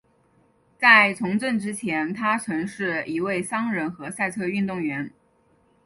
在从政之前他曾是一位商人和赛车运动员。